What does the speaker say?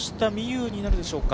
有になるんでしょうか。